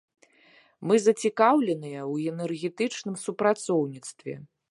Мы зацікаўленыя ў энергетычным супрацоўніцтве.